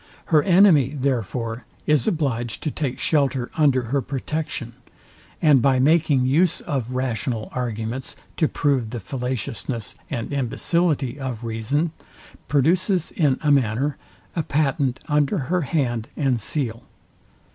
Her enemy, therefore, is obliged to take shelter under her protection, and by making use of rational arguments to prove the fallaciousness and imbecility of reason, produces, in a manner, a patent under her hand and seal.